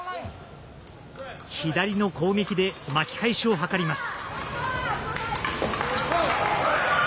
左の攻撃で巻き返しを図ります。